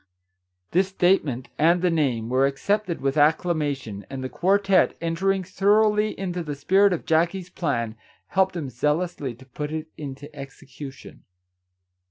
" This statement, and the name, were accepted with acclamation, and the quartette, entering thoroughly into the spirit of Jackie's plan, helped him zealously to put it into execution.